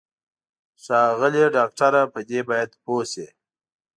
ښاغلی ډاکټره په دې باید پوه شې.